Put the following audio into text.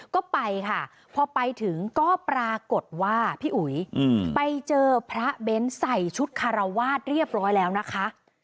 ก็ไปค่ะพอไปถึงก็ปรากฏว่าพี่อุ๋ยไปเจอพระเบ้นใส่ชุดคารวาสเรียบร้อยแล้วนะคะ